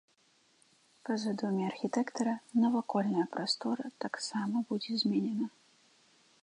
Па задуме архітэктара, навакольная прастора таксама будзе зменена.